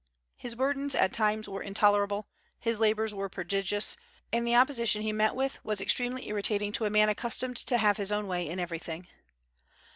His burdens at times were intolerable: his labors were prodigious, and the opposition he met with was extremely irritating to a man accustomed to have his own way in everything.